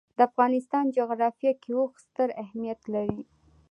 د افغانستان جغرافیه کې اوښ ستر اهمیت لري.